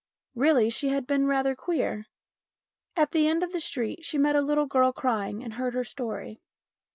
Really she had been rather queer. At the end of the street she met a little girl crying, and heard her story.